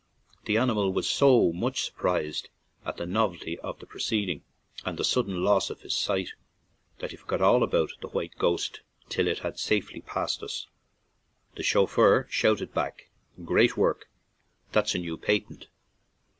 The animal was so much surprised at the novelty of the proceeding and the sudden loss of his sight that he forgot all about the "white 93 ON AN IRISH JAUNTING CAR ghost" till it had safely passed us. The chauffeur shouted back, "Great work; that's a new patent!"